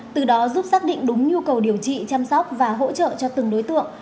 từ đó giúp xác định đúng nhu cầu điều trị chăm sóc và hỗ trợ cho từng đối tượng